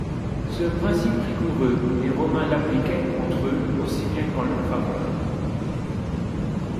Ce principe rigoureux les Romains l'appliquaient contre eux aussi bien qu'en leur faveur.